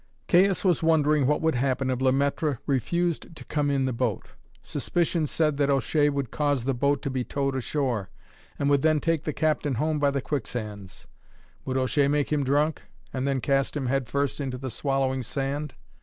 Caius was wondering what would happen if Le Maître refused to come in the boat. Suspicion said that O'Shea would cause the boat to be towed ashore, and would then take the Captain home by the quicksands. Would O'Shea make him drunk, and then cast him headfirst into the swallowing sand?